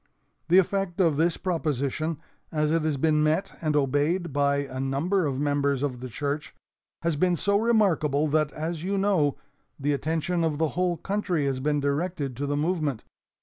"The effect of this proposition, as it has been met and obeyed by a number of members of the church, has been so remarkable that, as you know, the attention of the whole country has been directed to the movement.